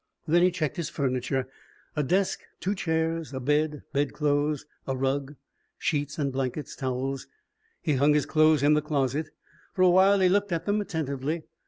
Then he checked his furniture: a desk, two chairs, a bed, bed clothes, a rug, sheets and blankets, towels. He hung his clothes in the closet. For a while he looked at them attentively.